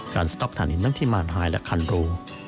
สต๊อปฐานหินทั้งที่มารไฮและคันรู